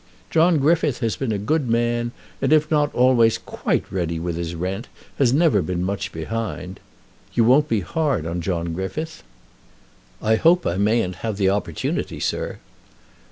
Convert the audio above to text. "John Griffith has been a good man, and if not always quite ready with his rent, has never been much behind. You won't be hard on John Griffith?" "I hope I mayn't have the opportunity, sir."